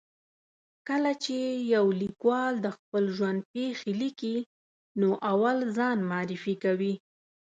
کله چې یو لیکوال د خپل ژوند پېښې لیکي، نو اول ځان معرفي کوي.